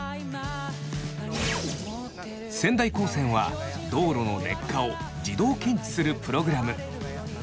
仙台高専は道路の劣化を自動検知するプログラム。